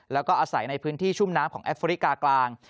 แล้วก็อาศัยในพื้นที่ชุ่มน้ำของแอฟริกากลาง